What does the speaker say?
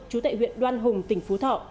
chú tại huyện đoan hùng tỉnh phú thọ